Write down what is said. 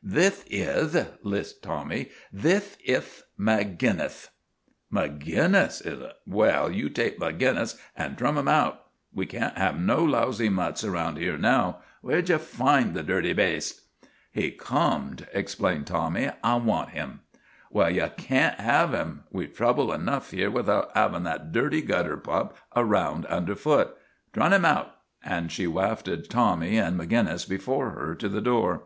" Thith ith," lisped Tommy, " thith ith Magin nith." " Maginnis is ut ? Well, you take Maginnis an' trun 'im out. We can't have no lousy mutts around here now. Where did ye find the dirty baste?" " He corned," explained Tommy. " I want him." 58 MAGINNIS .. \Yell, ye can't have ''im. We 've trouble enough here without havin' that dirty gutter pup around un der foot. Trim 'im out," and she wafted Tommy and Maginnis before her to the door.